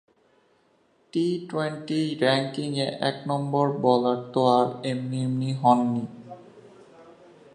টি twenty র্যাঙ্কিংয়ে এক number bowler তো আর এমনি এমনি হননি।